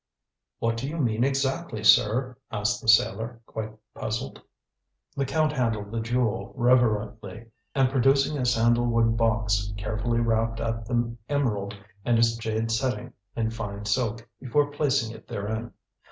"What do you mean exactly, sir?" asked the sailor, quite puzzled. The Count handled the Jewel reverently, and producing a sandal wood box, carefully wrapped up the emerald and its jade setting in fine silk before placing it therein.